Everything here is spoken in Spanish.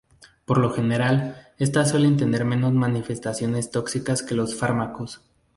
Por lo general, estas suelen tener menos manifestaciones tóxicas que los fármacos.